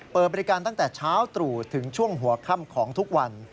เปิดบริการตั้งแต่เช้าตรู่ถึงช่วงหัวค่ำของทุกวัน